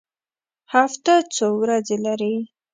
هفته څو ورځې لري؟